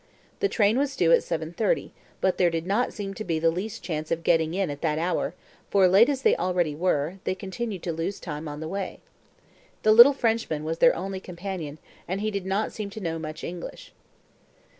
The train was due at 7.30, but there did not seem to be the least chance of getting in at that hour, for, late as they already were, they continued to lose time on the way. The little Frenchman was their only companion, and he did not seem to know much English.